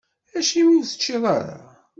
Acimi ur teččiḍ ara?